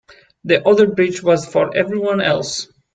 The other bridge was for everyone else.